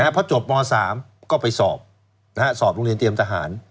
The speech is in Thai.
พอจบม๓ก็ไปสอบสอบโรงเรียนเตรียมทหาร